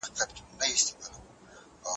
قمري په خپله مښوکه کې یو وړوکی خلی نیولی دی.